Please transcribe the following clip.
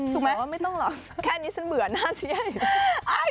ถูกไหมไม่ต้องหรอกแค่นี้ฉันเบื่อหน้าจะได้